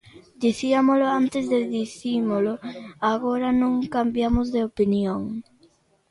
Diciámolo antes e dicímolo agora, non cambiamos de opinión.